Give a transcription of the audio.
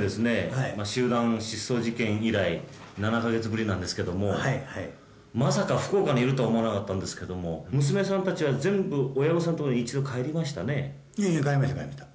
はい集団失踪事件以来７カ月ぶりなんですけどもはいはいまさか福岡にいるとは思わなかったんですけども娘さん達は全部親御さんとこに一度帰りましたね帰りました帰りました